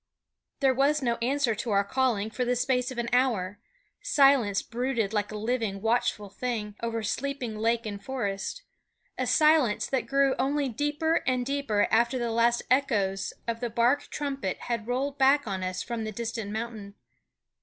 There was no answer to our calling for the space of an hour; silence brooded like a living, watchful thing over sleeping lake and forest, a silence that grew only deeper and deeper after the last echoes of the bark trumpet had rolled back on us from the distant mountain.